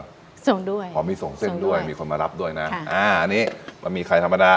ส่งด้วยพอมีส่งเส้นด้วยมีคนมารับด้วยนะอ่าอันนี้บะหมี่ไข่ธรรมดา